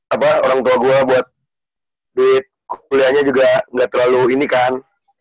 apa orang tua gue buat duit kuliahnya juga nggak terlalu ini kan